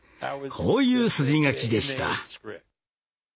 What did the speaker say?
こういう筋書きでした。